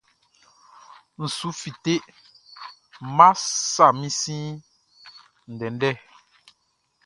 N su fite, Nʼma sa min sin ndɛndɛ.